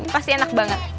pasti enak banget